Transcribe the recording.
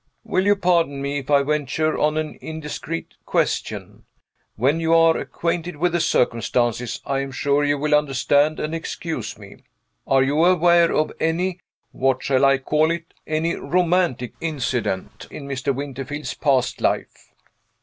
"Will you pardon me if I venture on an indiscreet question? When you are acquainted with the circumstances, I am sure you will understand and excuse me. Are you aware of any what shall I call it? any romantic incident in Mr. Winterfield's past life?"